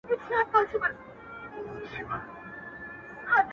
بيزو وان پكښي تنها ولاړ هك پك وو؛